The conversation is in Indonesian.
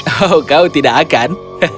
oh kau tidak akan